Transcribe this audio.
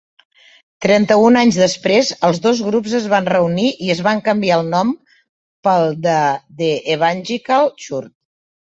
Trenta-un anys després, els dos grups es van reunir i es van canviar el nom pel de The Evangelical Church.